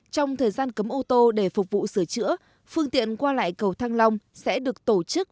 trong thời gian cấm ô tô để phục vụ sửa chữa phương tiện qua lại cầu thăng long sẽ được tổ chức